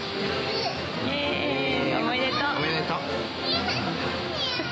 おめでとう。